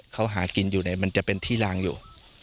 เขาหากินอยู่เนี่ยมันจะเป็นที่ลางอยู่